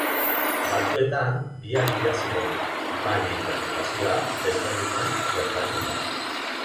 Batzuetan biak dira zilegi, baina interpretazioa desberdina gertatzen da.